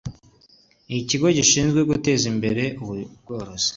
ikigo gishinzwe guteza imbere ubworozi